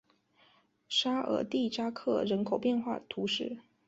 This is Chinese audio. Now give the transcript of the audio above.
沙尔蒂扎克人口变化图示